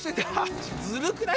ずるくない？